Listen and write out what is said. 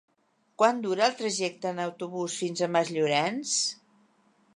Quant dura el trajecte en autobús fins a Masllorenç?